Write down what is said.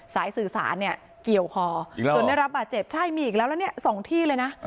สายสื่อสารเนี่ยเกี่ยวคอจนได้รับบาดเจ็บใช่มีอีกแล้วแล้วเนี่ย๒ที่เลยนะ